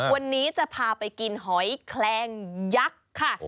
วันนี้จะพาไปกินหอยแคลงยักษ์ค่ะ